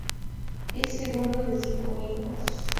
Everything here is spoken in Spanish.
Es el segundo de cinco hijos.